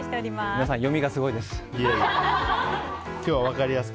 皆さん、読みがすごいです。